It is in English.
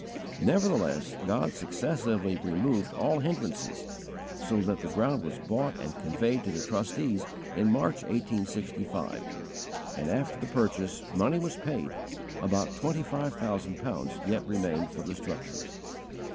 Nevertheless God successively removed all hindrances, so that the ground was bought and conveyed to the trustees in March, 1865; and, after the purchase money was paid, about twenty five thousand pounds yet remained for the structures.